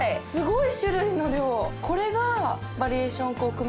これが。